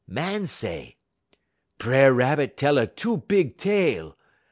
Màn say: "'B'er Rabbit tell a too big tale.